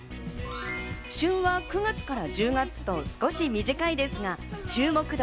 旬は９月から１０月と少し短いですが、注目度